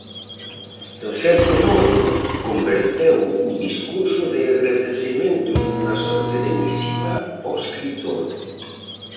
En certo modo, converteu o discurso de agradecementos nunha sorte de misiva ao escritor.